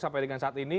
sampai dengan saat ini